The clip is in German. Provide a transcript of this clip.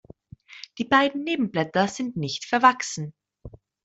Die beiden Nebenblätter sind nicht verwachsen.